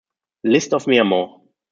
List of Mirmo!